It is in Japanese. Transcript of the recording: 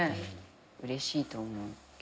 うれしいと思う。